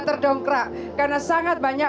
terdongkrak karena sangat banyak